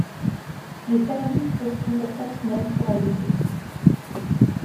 Les services replient leur personnel sur Alger.